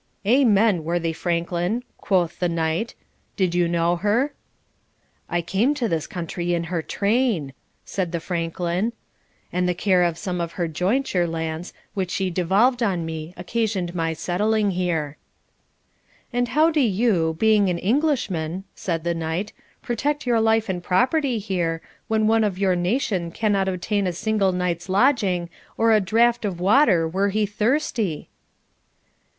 'Amen, worthy Franklin,' quoth the Knight 'Did you know her?' 'I came to this country in her train,' said the Franklin; 'and the care of some of her jointure lands which she devolved on me occasioned my settling here.' 'And how do you, being an Englishman,' said the Knight, 'protect your life and property here, when one of your nation cannot obtain a single night's lodging, or a draught of water were he thirsty?'